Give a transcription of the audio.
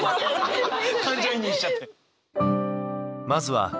感情移入しちゃって。